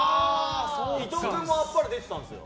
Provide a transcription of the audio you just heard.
伊藤君も「あっぱれ」出てたんですよ。